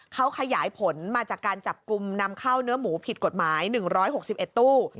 เขาขยายผลมาจากการจับกลุ่มนำเข้าเนื้อหมูผิดกฎหมาย๑๖๑ตู้